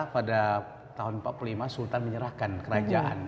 pada tahun seribu sembilan ratus empat puluh lima sultan menyerahkan kerajaan